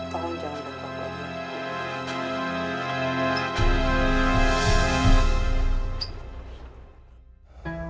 tolong jangan berpokok lagi